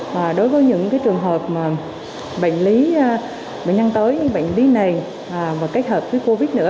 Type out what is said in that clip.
và đối với những trường hợp bệnh lý bệnh nhân tới bệnh lý nền và kết hợp với covid nữa